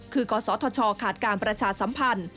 คือกศธชขาดการประชาสัมพันธ์